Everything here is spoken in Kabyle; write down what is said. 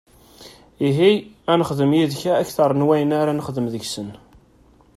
Ihi, ad nexdem deg-k akteṛ n wayen ara nexdem deg-sen!